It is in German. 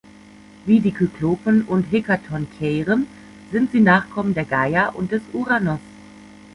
Wie die Kyklopen und Hekatoncheiren sind sie Nachkommen der Gaia und des Uranos.